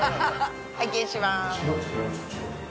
「拝見します」。